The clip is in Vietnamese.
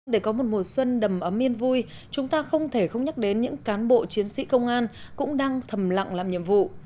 để có một mùa xuân đầm ấm yên vui chúng ta không thể không nhắc đến những cán bộ chiến sĩ công an cũng đang thầm lặng làm nhiệm vụ